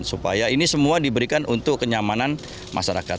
supaya ini semua diberikan untuk kenyamanan masyarakat